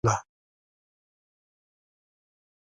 هغوی د لمحه له یادونو سره راتلونکی جوړولو هیله لرله.